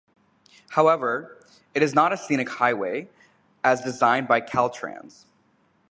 However, it is not a scenic highway as designated by Caltrans.